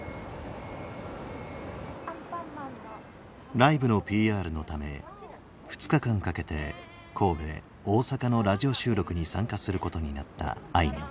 ライブのＰＲのため２日間かけて神戸大阪のラジオ収録に参加することになったあいみょん。